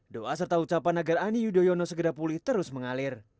doa serta ucapan agar ani yudhoyono segera pulih terus mengalir